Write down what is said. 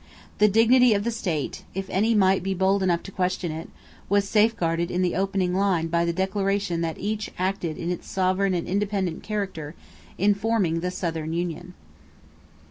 The dignity of the state, if any might be bold enough to question it, was safeguarded in the opening line by the declaration that each acted "in its sovereign and independent character" in forming the Southern union.